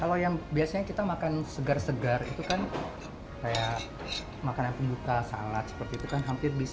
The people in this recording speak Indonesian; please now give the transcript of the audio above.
kalau yang biasanya kita makan segar segar itu kan kayak makanan pembuka salad seperti itu kan hampir bisa